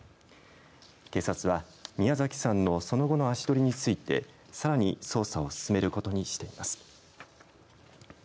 警察は宮崎さんのその後の足取りについてさらに捜査を進めることにしています。